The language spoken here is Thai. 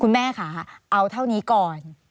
แม่ค่ะเอาเท่านี้ก่อน